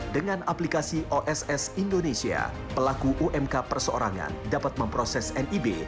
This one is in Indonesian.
dengan aplikasi oss indonesia pelaku umk perseorangan dapat memproses nib